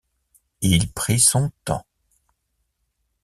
Il prit son temps.